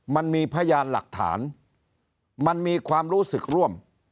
มันมีพยานหลักฐานมันมีความรู้สึกร่วม